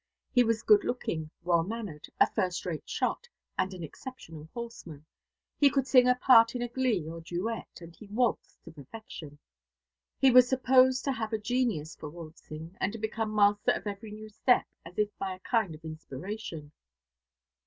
He was good looking, well mannered, a first rate shot, and an exceptional horseman. He could sing a part in a glee or duet, and he waltzed to perfection. He was supposed to have a genius for waltzing, and to become master of every new step as if by a kind of inspiration.